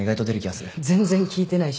全然聞いてないし。